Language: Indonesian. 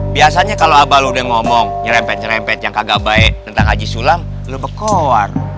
biasanya kalau abang udah ngomong nyerempet nyerempet yang kagak baik tentang haji sulam lo bekoar